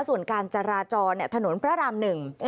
ส่วนการจราจรถนนพระรามหนึ่ง